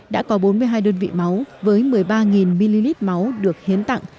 đã có bốn mươi hai đơn vị máu với một mươi ba ml máu được hiến tặng